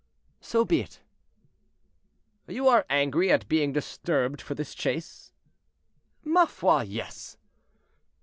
"So be it." "You are angry at being disturbed for this chase." "Ma foi! yes."